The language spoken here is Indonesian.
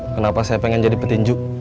kenapa saya pengen jadi petinju